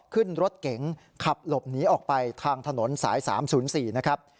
ขึ้นรถเก๋งขับหลบหนีออกไปทางถนนสายสามศูนย์สี่นะครับ